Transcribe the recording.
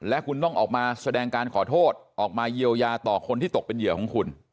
และคุณต้องออกมาแสดงการขอโทษออกมาเยียวยาต่อคนที่ตกเป็นเหยื่อของคุณ